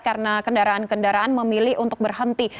karena kendaraan kendaraan memilih untuk berhenti